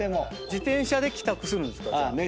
自転車で帰宅するんですか？